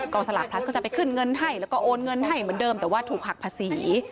สลากพลัสก็จะไปขึ้นเงินให้แล้วก็โอนเงินให้เหมือนเดิมแต่ว่าถูกหักภาษี